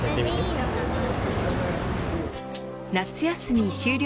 夏休み終了